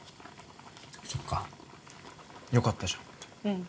そっかよかったじゃん